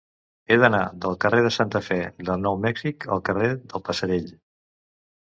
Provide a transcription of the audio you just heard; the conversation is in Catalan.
He d'anar del carrer de Santa Fe de Nou Mèxic al carrer del Passerell.